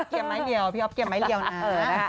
พี่อ๊อฟเกี่ยมไม้เร็วนะ